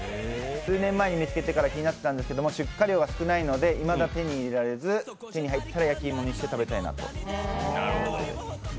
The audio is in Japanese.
数年前に見つけてから気になってたんですけども、出荷量が少ないのでいまだ手に入れられず、手には入ったら焼き芋にして食べたいなと。